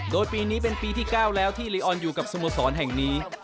โดยปีนี้เป็นปีที่๙แล้วที่ลีออนอยู่กับสโมสรแห่งนี้